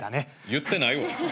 言ってないわ。